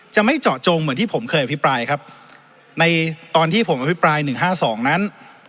จะไม่เจาะจงเหมือนที่ผมเคยอภิปรายครับในตอนที่ผมอภิปรายหนึ่งห้าสองนั้น